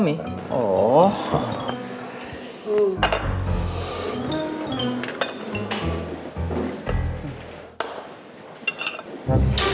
aduh aduh aduh